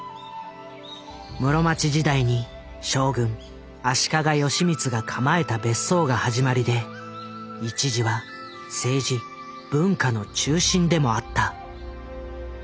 室町時代に将軍足利義満が構えた別荘が始まりで一時は政治・文化の中心でもあった。